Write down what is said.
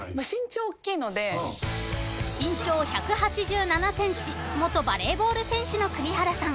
［身長１８７ｃｍ元バレーボール選手の栗原さん］